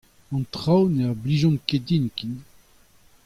An traoù na blijont ket din ken.